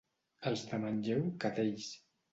Els de Manlleu, cadells.